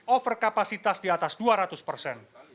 overkapasitas di atas dua ratus persen